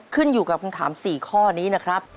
ขึ้นอยู่กับคำถาม๔ข้อนี้นะครับ